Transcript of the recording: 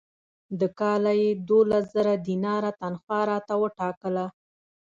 د کاله یې دوولس زره دیناره تنخوا راته وټاکله.